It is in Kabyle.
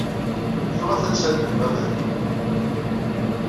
Ffɣet ad tallem baba-twen.